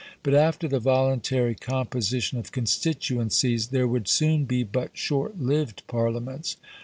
But after the voluntary composition of constituencies, there would soon be but short lived Parliaments.